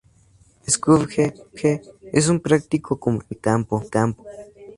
Scourge es un práctico comandante de campo.